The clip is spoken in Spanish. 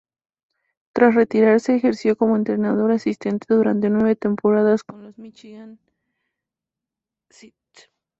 Tras retirarse, ejerció como entrenador asistente durante nueve temporadas con los Michigan St.